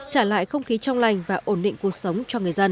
trả lại không khí trong lành và ổn định cuộc sống cho người dân